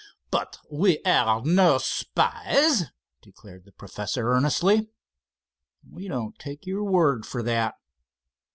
"But we are no spies," declared the professor, earnestly. "We don't take your word for that.